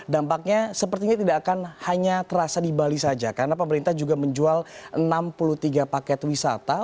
dampaknya sepertinya tidak akan hanya terasa di bali saja karena pemerintah juga menjual enam puluh tiga paket wisata